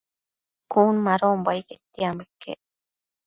Cun madonbo ai quetianbo iquec